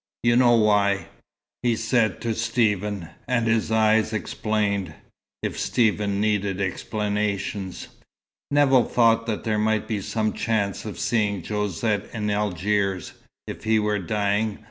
"You know why," he said to Stephen, and his eyes explained, if Stephen needed explanations. Nevill thought there might be some chance of seeing Josette in Algiers, if he were dying.